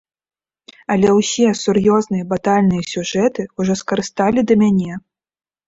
Але ўсе сур'ёзныя батальныя сюжэты ўжо скарысталі да мяне.